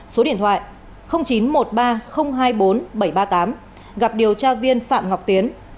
số điện thoại chín trăm một mươi ba hai mươi bốn bảy trăm ba mươi tám gặp điều tra viên phạm ngọc tiến